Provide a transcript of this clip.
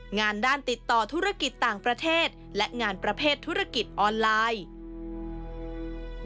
งานด้านติดต่อธุรกิจต่างประเทศและงานประเภทธุรกิจออนไลน์